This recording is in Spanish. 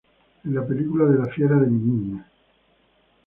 En la película de La fiera de mi niña!